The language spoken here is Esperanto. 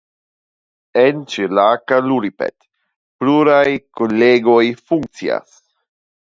En Ĉilakaluripet pluraj kolegioj funkcias.